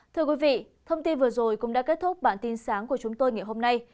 thưa quý vị thông tin vừa rồi cũng đã kết thúc bản tin sáng của chúng tôi ngày hôm nay